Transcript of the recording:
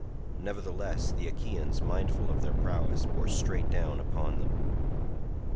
Nevertheless the Achaeans, mindful of their prowess, bore straight down upon them.